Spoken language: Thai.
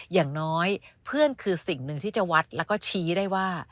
อย่างน้อยเพื่อนคือสิ่งหนึ่งที่จะวัดแล้วก็ชี้ได้ว่า